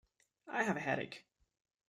I have a headache.